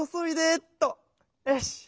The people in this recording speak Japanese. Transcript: よし。